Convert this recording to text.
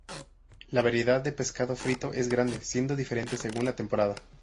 La variedad de pescado frito es grande, siendo diferente según la temporada.